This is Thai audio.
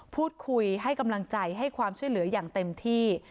พูดคุยให้กำลังใจให้ความช่วยเหลืออย่างเต็มที่